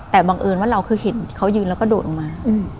แต่บังเอิญว่าเราคือเห็นเขายืนแล้วก็โดดลงมา